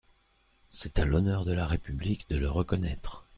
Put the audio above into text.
C’est à l’honneur de la République de le reconnaître.